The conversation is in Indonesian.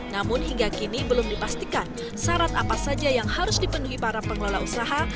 namun hingga kini belum dipastikan syarat apa saja yang harus dipenuhi para pengelola usaha